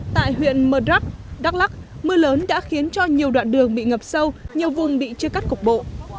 tại huyện mờ rắc đắk lắc mưa lớn đã khiến cho nhiều đoạn đường bị ngập sâu nhiều vùng bị chưa cắt cục bộ